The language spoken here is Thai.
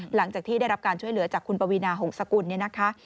หลังจากที่ได้รับการช่วยเหลือจากคุณปวีนาหงษกุลเนี่ยนะคะ